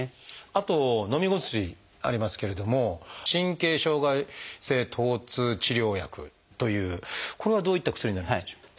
あとのみ薬ありますけれども神経障害性とう痛治療薬というこれはどういった薬になりますでしょうか？